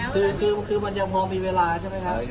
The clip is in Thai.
คือมันยังพอมีเวลาใช่ไหมครับ